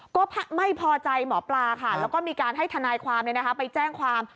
ก็ไม่พอใจหมอปลาค่ะแล้วก็มีการให้ทนายความไปแจ้งความ